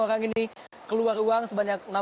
orang ini keluar uang sebanyak